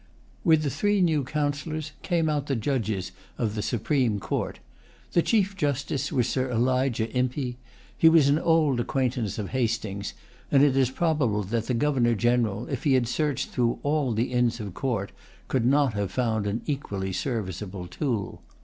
With the three new Councillors came out the judges of[Pg 148] the Supreme Court. The chief justice was Sir Elijah Impey. He was an old acquaintance of Hastings; and it is probable that the Governor General, if he had searched through all the inns of court, could not have found an equally serviceable tool.